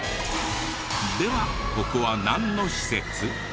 ではここはなんの施設？